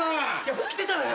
起きてたわよ